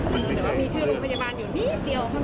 มันไม่ใช่คือ